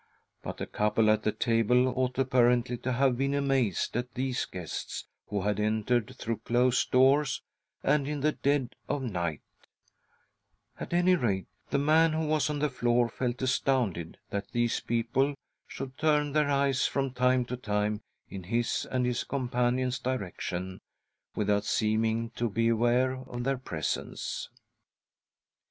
But the couple at the table ought, apparently, to have been amazed at these guests who had entered through closed doors and in the dead of night At any rate, the man who was on the floor felt astounded that these people should turn their eyes from time to time in his and his companion's direc tion, without seeming to.be aware of their presence.